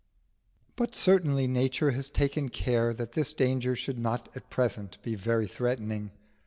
But certainly nature has taken care that this danger should not at present be very threatening.